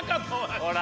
ほら。